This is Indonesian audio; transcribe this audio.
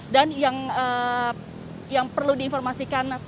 dan yang perlu diinformasikan